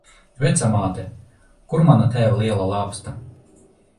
Vecāmāte, kur mana tēva lielā lāpsta?